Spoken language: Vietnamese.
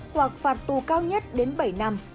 hoặc phạt tù cao nhất đến bảy năm